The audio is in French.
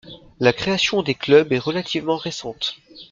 La création des clubs est relativement récente.